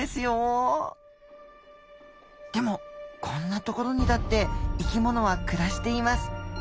でもこんな所にだって生きものは暮らしています。